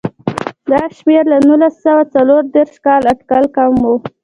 دا شمېر له نولس سوه څلور دېرش کال اټکل کم و.